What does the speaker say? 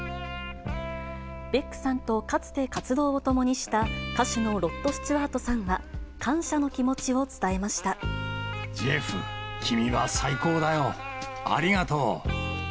ベックさんとかつて、活動を共にした歌手のロッド・スチュアートさんは、感謝の気持ちジェフ、君は最高だよ。